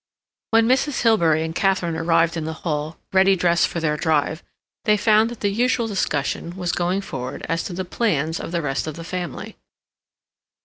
When Mrs. Hilbery and Katharine arrived in the hall, ready dressed for their drive, they found that the usual discussion was going forward as to the plans of the rest of the family.